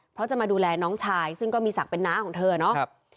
เพราะจะมาดูแลน้องชายซึ่งก็มีศักดิ์เป็นน้าของเธอเนาะ